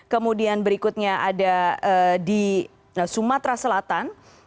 kemudian berikutnya ada di sumatera selatan